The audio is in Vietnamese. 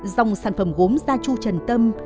dòng sản phẩm gốm gia tru trần tâm